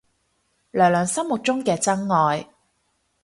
娘娘心目中嘅真愛